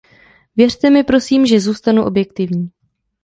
Věřte mi, prosím, že zůstanu objektivní.